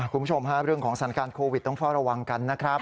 คุณผู้ชมฮะเรื่องของสถานการณ์โควิดต้องเฝ้าระวังกันนะครับ